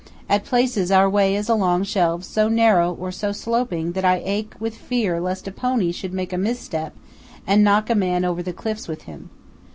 At places our way is along shelves so narrow or so sloping that I ache with fear lest a pony should make a misstep and knock a man over the cliffs with him.